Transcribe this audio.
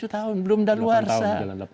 tujuh tahun belum dah luar sana